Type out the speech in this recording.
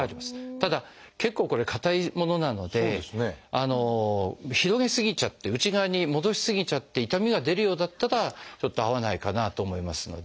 ただ結構これ硬いものなので広げ過ぎちゃって内側に戻し過ぎちゃって痛みが出るようだったらちょっと合わないかなと思いますので。